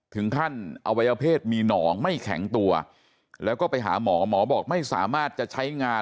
อวัยวเพศมีหนองไม่แข็งตัวแล้วก็ไปหาหมอหมอบอกไม่สามารถจะใช้งาน